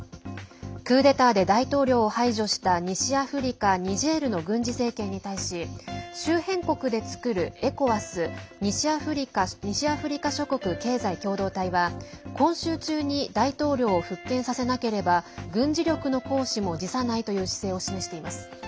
クーデターで大統領を排除した西アフリカ・ニジェールの軍事政権に対し周辺国で作るＥＣＯＷＡＳ＝西アフリカ諸国経済共同体は今週中に大統領を復権させなければ軍事力の行使も辞さないという姿勢を示しています。